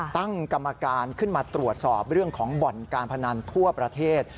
ตั้งกรรมการขึ้นมาตรวจสอบเรื่องของบ่อนการพนันทั่วประเทศ